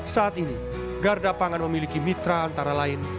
saat ini garda pangan memiliki mitra antara lain